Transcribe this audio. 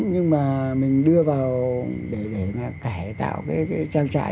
nhưng mà mình đưa vào để cải tạo trang trại